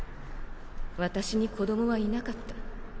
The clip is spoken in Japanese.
私に子どもはいなかった。